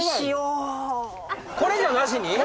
これじゃなしに？